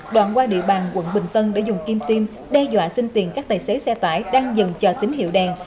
đoạn qua địa bàn quận bình tân để dùng kim tim đe dọa xin tiền các tài xế xe tải đang dần chờ tín hiệu đèn